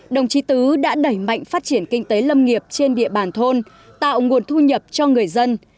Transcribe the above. đồng chí tứ đã đẩy mạnh phát triển kinh tế lâm nghiệp trên địa bàn thôn tạo nguồn thu nhập cho người dân